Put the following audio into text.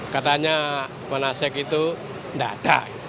katanya penasek itu tidak ada